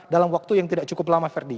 dalam waktu yang tidak cukup lama ferdi